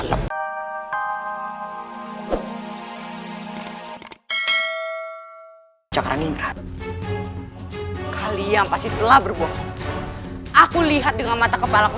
cakrami merah kalian pasti telah berbohong aku lihat dengan mata kepalaku